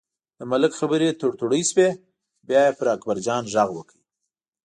د ملک خبرې تړتړۍ شوې، بیا یې په اکبرجان غږ وکړ.